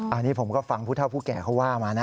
อันนี้ผมก็ฟังผู้เท่าผู้แก่เขาว่ามานะ